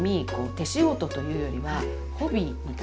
手仕事というよりはホビーみたいな。